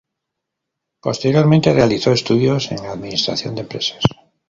Posteriormente, realizó estudios en Administración de Empresas.